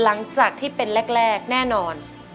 หลังจากที่เป็นแรกแน่นอน